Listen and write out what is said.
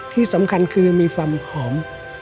ที่สำคัญคือมีความหอม